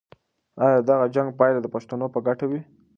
آیا د دغه جنګ پایله به د پښتنو په ګټه وي؟